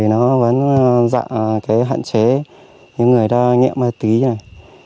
nó nhận giảm các hạn chế những người đang nhẹ mát túy